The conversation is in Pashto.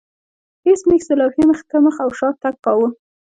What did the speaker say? ایس میکس د لوحې مخې ته مخ او شا تګ کاوه